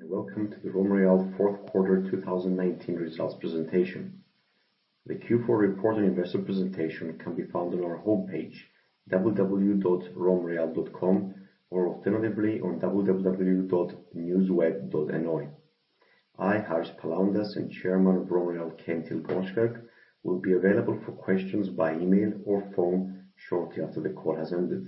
Good morning, everyone. Welcome to the RomReal fourth quarter 2019 results presentation. The Q4 report and investor presentation can be found on our homepage, www.romreal.com, or alternatively, on www.newsweb.ro. I, Harris Palaondas, and Chairman of RomReal, Kjetil Grønskag, will be available for questions by email or phone shortly after the call has ended.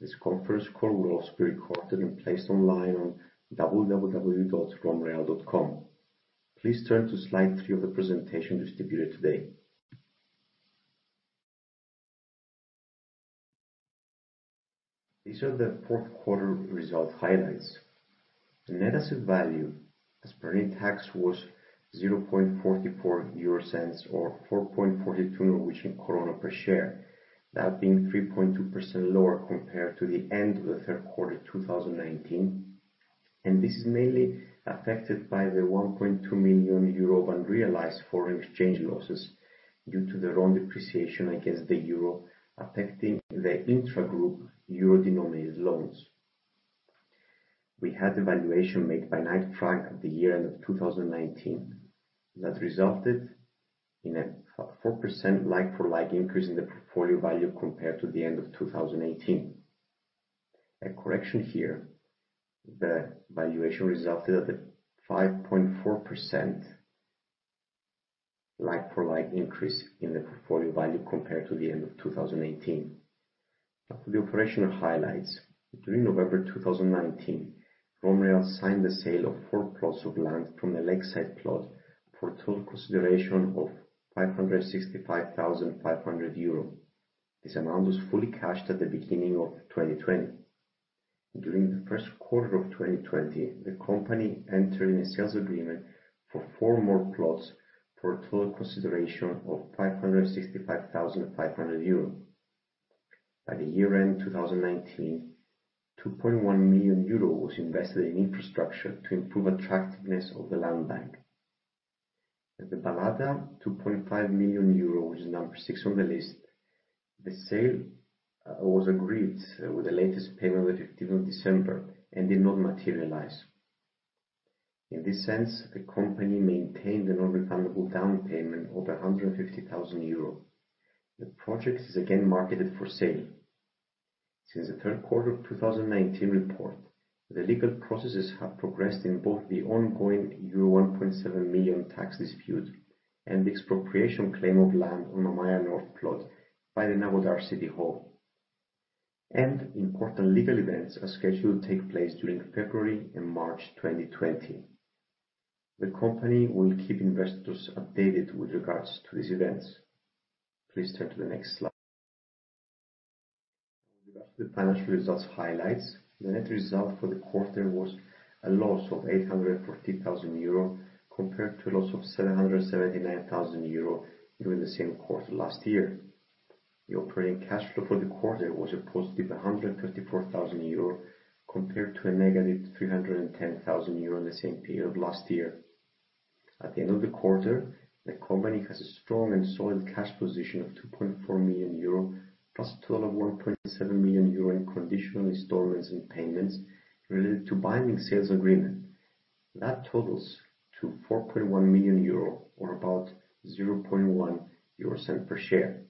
This conference call will also be recorded and placed online on www.romreal.com. Please turn to slide three of the presentation distributed today. These are the fourth quarter results highlights. The net asset value as per NAV was 0.0044 or 4.42 per share, that being 3.2% lower compared to the end of the third quarter 2019, and this is mainly affected by the 1.2 million euro unrealized foreign exchange losses due to the RON depreciation against the euro, affecting the intragroup euro-denominated loans. We had a valuation made by Knight Frank at the year-end of 2019 that resulted in a 4% like-for-like increase in the portfolio value compared to the end of 2018. A correction here, the valuation resulted at the 5.4% like-for-like increase in the portfolio value compared to the end of 2018. Now for the operational highlights. During November 2019, RomReal signed the sale of four plots of land from the lakeside plot for a total consideration of 565,500 euro. This amount was fully cashed at the beginning of 2020. During the first quarter of 2020, the company entered in a sales agreement for four more plots for a total consideration of 565,500 euros. By the year-end 2019, 2.1 million euros was invested in infrastructure to improve the attractiveness of the land bank. At the Balada, 2.5 million euros, which is number six on the list, the sale was agreed with the latest payment on December 15th, and did not materialize. In this sense, the company maintained a non-refundable down payment of 150,000 euro. The project is again marketed for sale. Since the third quarter of 2019 report, the legal processes have progressed in both the ongoing euro 1.7 million tax dispute and the expropriation claim of land on Mamaia North plot by the Năvodari City Hall. Important legal events are scheduled to take place during February and March 2020. The company will keep investors updated with regards to these events. Please turn to the next slide. With regards to the financial results highlights, the net result for the quarter was a loss of 840,000 euro compared to a loss of 779,000 euro during the same quarter last year. The operating cash flow for the quarter was a +134,000 euro compared to a -310,000 euro in the same period last year. At the end of the quarter, the company has a strong and solid cash position of 2.4 million euro plus a total of 1.7 million euro in conditional installments and payments related to binding sales agreement. That totals to 4.1 million euro or about 0.1 per share.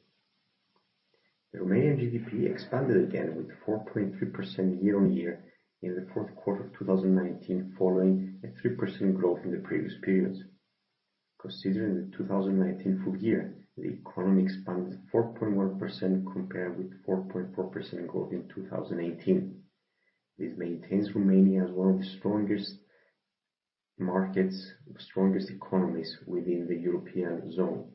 The Romanian GDP expanded again with 4.3% year-on-year in the fourth quarter of 2019 following a 3% growth in the previous periods. Considering the 2019 full year, the economy expanded 4.1% compared with 4.4% growth in 2018. This maintains Romania as one of the strongest economies within the European zone.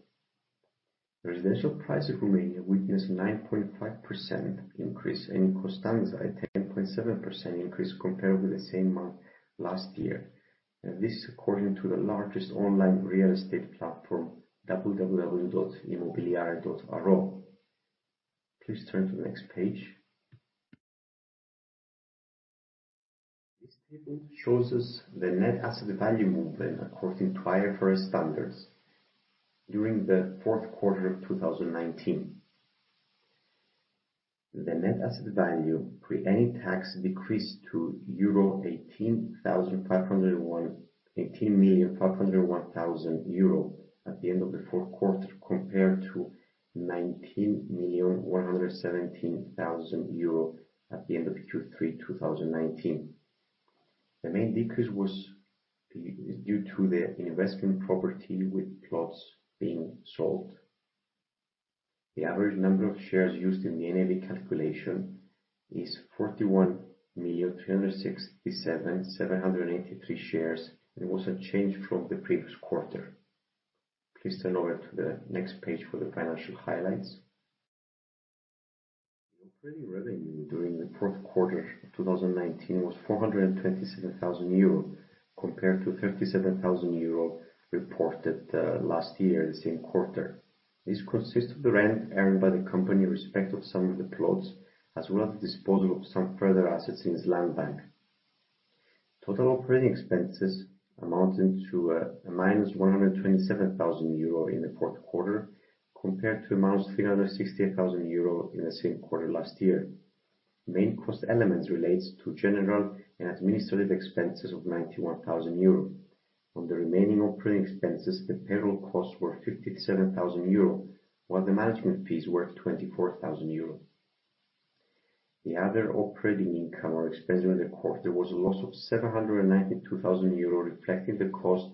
Residential prices in Romania witnessed 9.5% increase and in Constanța a 10.7% increase compared with the same month last year and this is according to the largest online real estate platform, imobiliare.ro. Please turn to the next page. This table shows us the net asset value movement according to IFRS standards during the fourth quarter of 2019. The net asset value pre any tax decreased to 18,501,000 euro at the end of the fourth quarter, compared to 19,117,000 euro at the end of Q3 2019. The main decrease was due to the investment property with plots being sold. The average number of shares used in the NAV calculation is 41,367,783 shares and was unchanged from the previous quarter. Please turn over to the next page for the financial highlights. The operating revenue during the fourth quarter of 2019 was 427,000 euro compared to 37,000 euro reported last year in the same quarter. This consists of the rent earned by the company in respect of some of the plots, as well as the disposal of some further assets in its land bank. Total operating expenses amounted to a minus 127,000 euro in the fourth quarter, compared to a minus 368,000 euro in the same quarter last year. Main cost elements relate to general and administrative expenses of 91,000 euro. On the remaining operating expenses, the payroll costs were 57,000 euro, while the management fees were 24,000 euro. The other operating income or expense during the quarter was a loss of 792,000 euro, reflecting the cost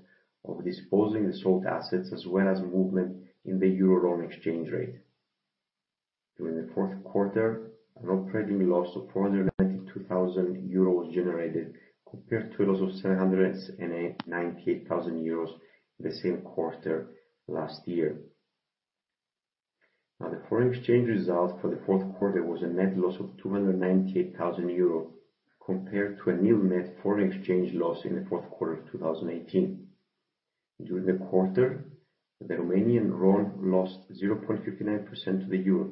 of disposing of the sold assets, as well as movement in the EUR/RON exchange rate. During the fourth quarter, an operating loss of 492,000 euros was generated, compared to a loss of 798,000 euros in the same quarter last year. Now, the foreign exchange result for the fourth quarter was a net loss of 298,000 euro, compared to a nil net foreign exchange loss in the fourth quarter of 2018. During the quarter, the Romanian RON lost 0.59% to the EUR.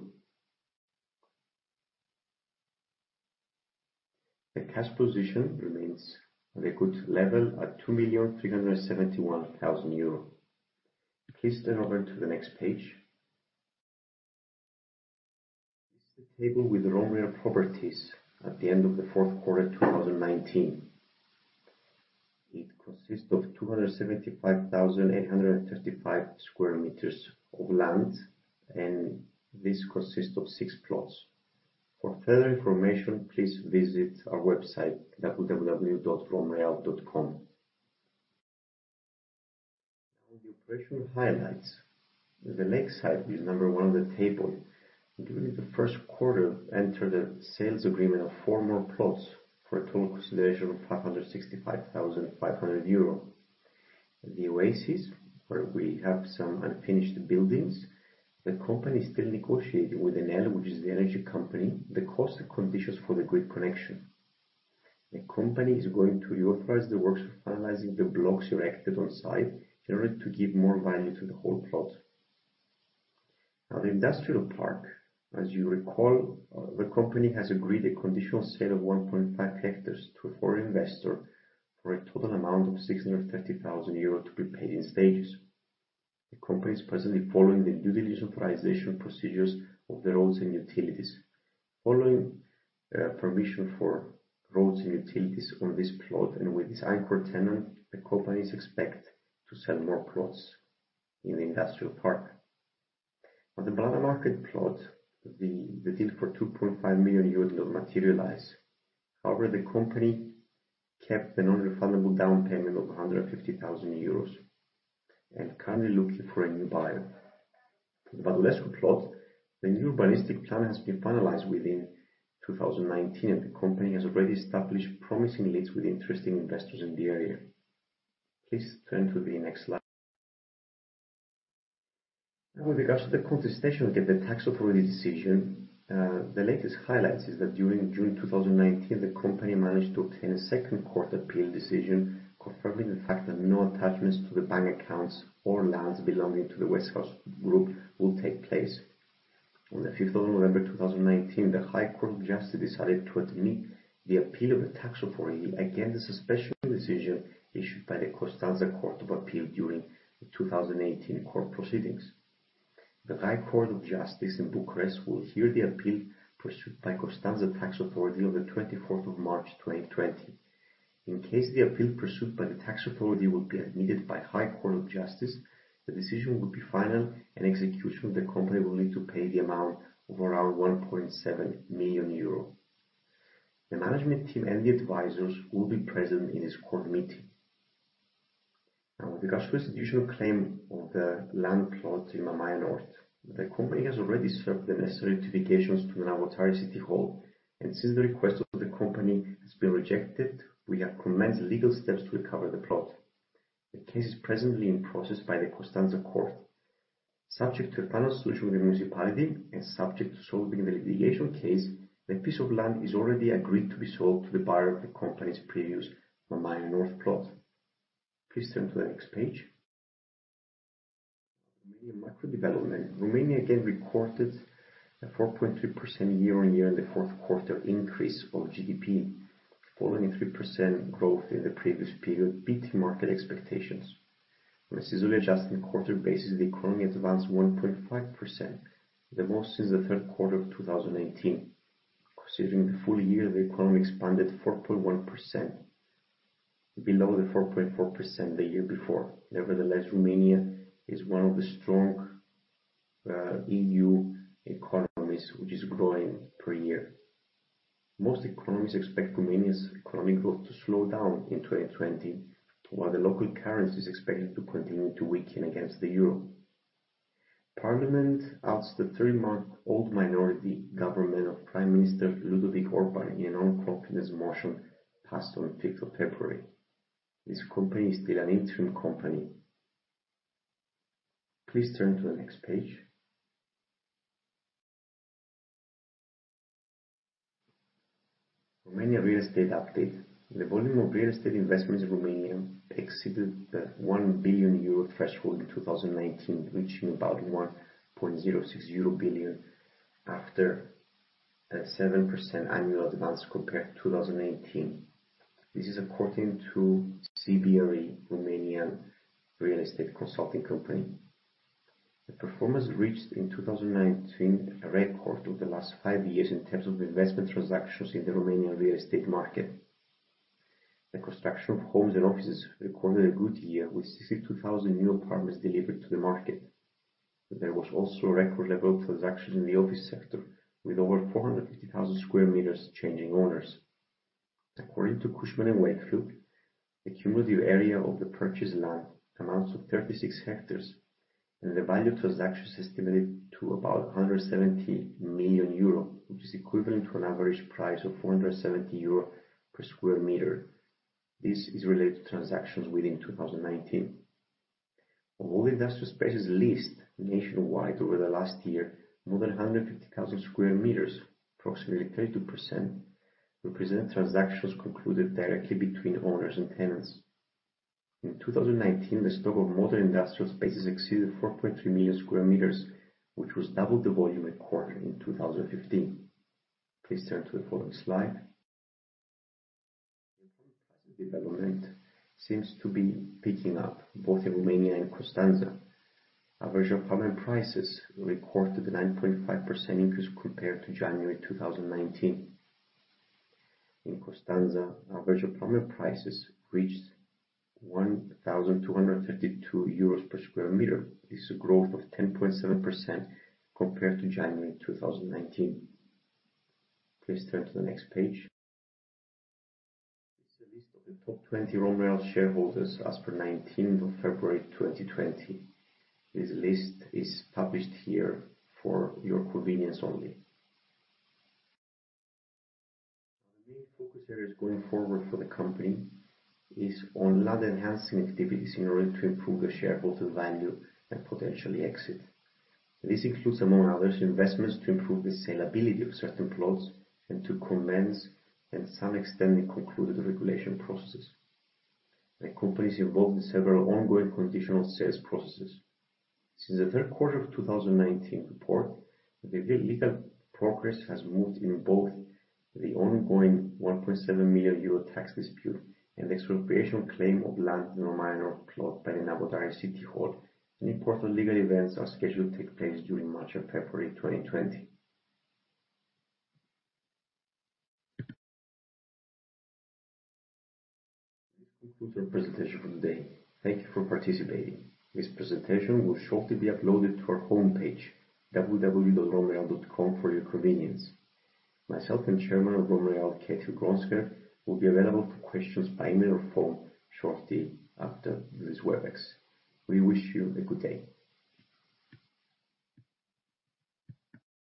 The cash position remains at a good level at 2,371,000 euros. Please turn over to the next page. This is the table with RomReal properties at the end of the fourth quarter 2019. It consists of 275,835 sq m of land, and this consists of six plots. For further information, please visit our website, www.romreal.com. Now, the operational highlights. The next slide is number one on the table. During the first quarter, we entered a sales agreement of four more plots for a total consideration of 565,500 euro. The Oasis, where we have some unfinished buildings, the company is still negotiating with Enel, which is the energy company, the cost and conditions for the grid connection. The company is going to repurpose the works of finalizing the blocks erected on site in order to give more value to the whole plot. The Industrial Park, as you recall, the company has agreed a conditional sale of 1.5 hectares to a foreign investor for a total amount of 630,000 euros to be paid in stages. The company is presently following the due diligence authorization procedures of the roads and utilities. Following permission for roads and utilities on this plot and with this anchor tenant, the companies expect to sell more plots in the Industrial Park. On the Balada Market plot, the deal for 2.5 million euros did not materialize. However, the company kept the non-refundable down payment of 150,000 euros and currently looking for a new buyer. For the Bădulescu plot, the new urbanistic plan has been finalized within 2019. The company has already established promising leads with interesting investors in the area. Please turn to the next slide. Now, with regards to the contestation with the tax authority decision, the latest highlights is that during June 2019, the company managed to obtain a second court appeal decision confirming the fact that no attachments to the bank accounts or lands belonging to the Westhouse Group will take place. On November 5th, 2019, the High Court of Justice decided to admit the appeal of the tax authority against the suspension decision issued by the Constanța Court of Appeal during the 2018 court proceedings. The High Court of Justice in Bucharest will hear the appeal pursued by Constanța tax authority on March 24th, 2020. In case the appeal pursued by the tax authority will be admitted by High Court of Justice, the decision will be final, and execution of the company will need to pay the amount of around 1.7 million euro. The management team and the advisors will be present in this court meeting. Now, with regards to the institutional claim of the land plot in Mamaia North, the company has already served the necessary notifications to the Năvodari City Hall, and since the request of the company has been rejected, we have commenced legal steps to recover the plot. The case is presently in process by the Constanța Court. Subject to a final solution with the municipality and subject to solving the litigation case, the piece of land is already agreed to be sold to the buyer of the company's previous Mamaia North plot. Please turn to the next page. Romanian macro development. Romania again recorded a 4.3% year-over-year in the fourth quarter increase of GDP, following a 3% growth in the previous period, beating market expectations. On a seasonally adjusted quarter basis, the economy advanced 1.5%, the most since the third quarter of 2018. Considering the full year, the economy expanded 4.1%, below the 4.4% the year before. Nevertheless, Romania is one of the strong EU economies which is growing per year. Most economists expect Romania's economic growth to slow down in 2020, while the local currency is expected to continue to weaken against the euro. Parliament ousts the three-month-old minority government of Prime Minister Ludovic Orban in a no-confidence motion passed on February 5th. This company is still an interim company. Please turn to the next page. Romania real estate update. The volume of real estate investments in Romania exceeded the 1 billion euro threshold in 2019, reaching about 1.06 billion euro after a 7% annual advance compared to 2018. This is according to CBRE Romanian real estate consulting company. The performance reached in 2019, a record of the last five years in terms of investment transactions in the Romanian real estate market. The construction of homes and offices recorded a good year with 62,000 new apartments delivered to the market. There was also a record level of transactions in the office sector, with over 450,000 sq m changing owners. According to Cushman & Wakefield, the cumulative area of the purchased land amounts to 36 hectares, and the value of transactions is estimated to about 170 million euro, which is equivalent to an average price of 470 euro per sq m. This is related to transactions within 2019. Of all industrial spaces leased nationwide over the last year, more than 150,000 sq m, approximately 32%, represent transactions concluded directly between owners and tenants. In 2019, the stock of modern industrial spaces exceeded 4.3 million sq m, which was double the volume recorded in 2015. Please turn to the following slide. The apartment prices development seems to be picking up both in Romania and Constanța. Average apartment prices recorded a 9.5% increase compared to January 2019. In Constanța, average apartment prices reached 1,232 euros per sq m. This is a growth of 10.7% compared to January 2019. Please turn to the next page. This is a list of the top 20 RomReal shareholders as per February 19, 2020. This list is published here for your convenience only. Our main focus areas going forward for the company is on land-enhancing activities in order to improve the shareholder value and potentially exit. This includes, among others, investments to improve the salability of certain plots and to commence and some extending concluded regulation processes. The company is involved in several ongoing conditional sales processes. Since the third quarter of 2019 report, very little progress has moved in both the ongoing 1.7 million euro tax dispute and expropriation claim of land in Romania plot by the Năvodari City Hall, and important legal events are scheduled to take place during March and February 2020. This concludes our presentation for today. Thank you for participating. This presentation will shortly be uploaded to our homepage, www.romreal.com, for your convenience. Myself and Chairman of RomReal, Kjetil Grønskag, will be available for questions by email or phone shortly after this Webex. We wish you a good day.